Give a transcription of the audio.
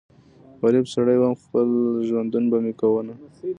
غريب سړی ووم خپل ژوندون به مې کوونه